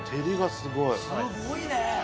すごいね。